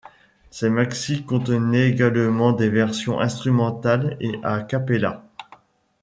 Ces maxis contenaient également des versions instrumentales et a cappella.